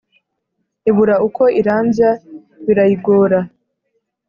Ibura ukwo irambya birayigora